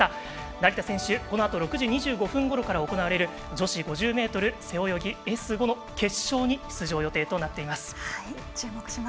成田選手、このあと６時２５分から行われる女子５０ｍ背泳ぎＳ５の決勝に出場予定です。